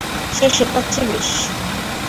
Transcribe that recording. সে শেখাচ্ছে বেশ।